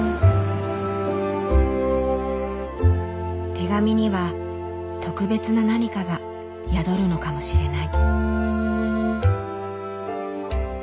手紙には特別な何かが宿るのかもしれない。